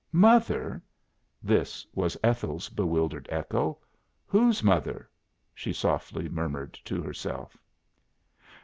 "Mother!" This was Ethel's bewildered echo, "Whose Mother?" she softly murmured to herself.